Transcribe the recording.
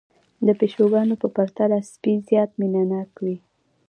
د پيشوګانو په پرتله سپي زيات مينه ناک وي